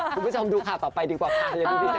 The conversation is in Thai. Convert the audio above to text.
คุณผู้ชมดูข่าวต่อไปดีกว่าค่ะ